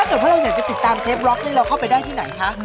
ถ้าเกิดว่าเราอยากจะติดตามเชฟล็อกนี่เราเข้าไปได้ที่ไหนคะ